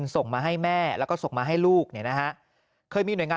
ต้องกาลมากเลยวัสเซอรีน